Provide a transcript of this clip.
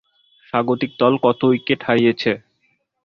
স্বাগতিক দল কত উইকেট হারিয়েছে?